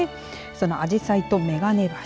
そのあじさいと眼鏡橋。